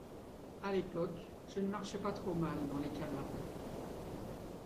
À l’époque, je ne marchais pas trop mal dans les cabarets.